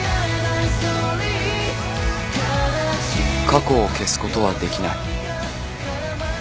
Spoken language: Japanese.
過去を消すことはできない